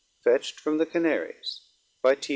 Fetcht from the Canaries. _By T.